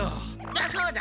だそうだ！